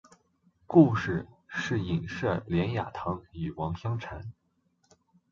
故事是隐射连雅堂与王香禅。